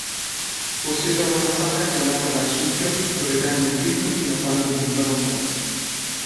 Possiedono una sacca chiamata Marsupio dove tengono i piccoli fino a quando diventano autonomi.